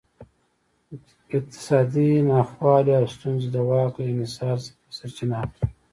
اقتصادي ناخوالې او ستونزې د واک له انحصار څخه سرچینه اخلي.